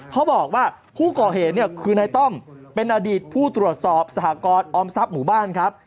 เขาบอกว่าผู้ก่อเหตุเนี่ยคือนายต้อมเป็นอดีตผู้ตรวจสอบสหกรออมทรัพย์หมู่บ้านครับ